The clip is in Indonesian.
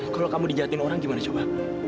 kalau kamu di jahatin orang gimana coba